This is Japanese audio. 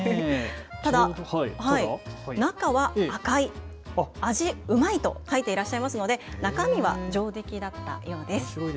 ただ、中は赤い、味うまいと書いていらっしゃいますので中身は上出来だったようです。